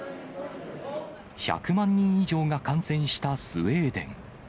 １００万人以上が感染したスウェーデン。